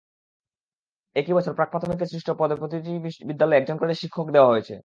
একই বছর প্রাক্-প্রাথমিকে সৃষ্ট পদে প্রতিটি বিদ্যালয়ে একজন করে শিক্ষক দেওয়া হয়েছে।